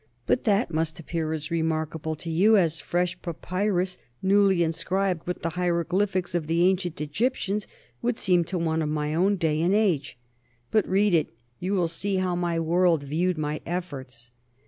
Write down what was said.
But that must appear as remarkable to you as fresh papyrus, newly inscribed with the hieroglyphics of the ancient Egyptians, would seem to one of my own day and age. But read it; you will see how my world viewed my efforts!"